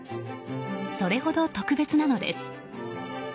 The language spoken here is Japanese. それほど特別なのです。